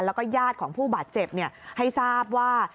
แล้วก็ญาติของผู้บาดเจ็บให้ทราบว่า